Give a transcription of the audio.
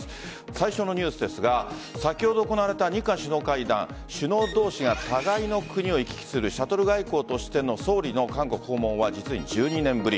最初のニュースですが先ほど行われた日韓首脳会談首脳同士が互いの国を行き来するシャトル外交としての総理の韓国訪問は実に１２年ぶり。